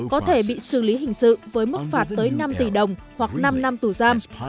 có thể bị xử lý hình sự với mức phạt tới năm tỷ đồng hoặc năm năm tù giam